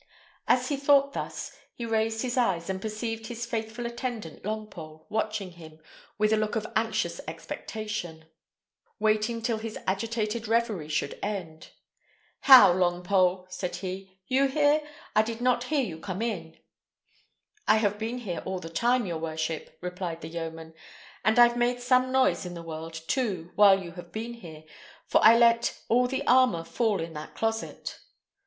As he thought thus, he raised his eyes, and perceived his faithful attendant Longpole watching him with a look of anxious expectation, waiting till his agitated reverie should end. "How! Longpole!" said he. "You here? I did not hear you come in." "I have been here all the time, your worship," replied the yeoman. "And I've made some noise in the world, too, while you have been here, for I let all the armour fall in that closet."